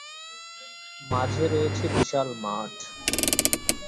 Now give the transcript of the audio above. মাঝে রয়েছে বিশাল মাঠ।